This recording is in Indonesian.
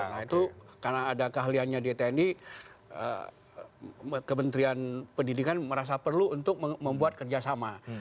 nah itu karena ada keahliannya di tni kementerian pendidikan merasa perlu untuk membuat kerjasama